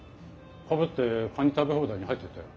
かぶってカニ食べ放題に入ってったよ。